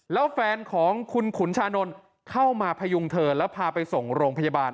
แล้วแฟนของคุณขุนชานนท์เข้ามาพยุงเธอแล้วพาไปส่งโรงพยาบาล